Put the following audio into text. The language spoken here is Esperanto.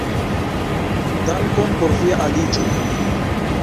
Dankon por via aliĝo!